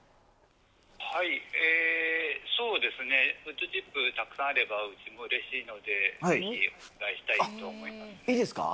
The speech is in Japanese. はい、えー、そうですね、ウッドチップ、たくさんあればうちもうれしいので、ぜひお願いしいいですか？